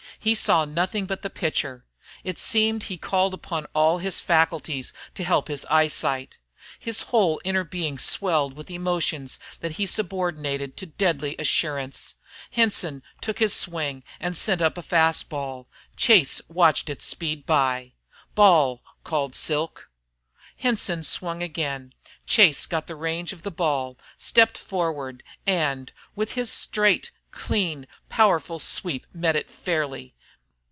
He saw nothing but the pitcher. It seemed he called upon all his faculties to help his eyesight. His whole inner being swelled with emotions that he subordinated to deadly assurance. Henson took his swing and sent up a fast ball. Chase watched it speed by. "Ball!" called Silk. Henson swung again. Chase got the range of the ball, stepped forward, and, with his straight, clean, powerful sweep, met it fairly.